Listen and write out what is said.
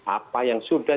apa yang sudah